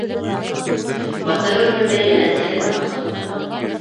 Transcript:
Батыр үлеме - мәрйәнән, гиҙәр беҙҙең халыҡта ла.